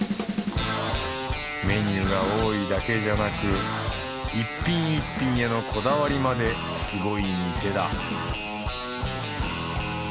メニューが多いだけじゃなく一品一品へのこだわりまですごい店だ